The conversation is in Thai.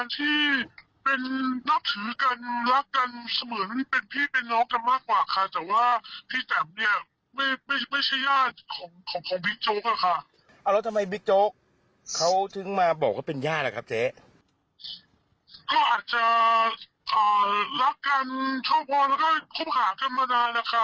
แต่ว่าพี่แถมก็ดูแลสมัยบิ๊กโจกอย่างเป็นนัยตำรวจนุ่มอยู่อะค่ะ